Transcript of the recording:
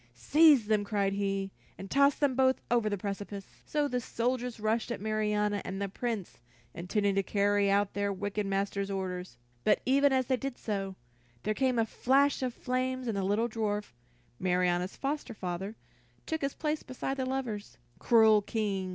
"Seize them," cried he, "and toss them both over the precipice!" So the soldiers rushed at Marianna and the Prince, intending to carry out their wicked master's orders. But even as they did so, there came a flash of flame and the little dwarf, Marianna's foster father, took his place beside the lovers. "Cruel King!"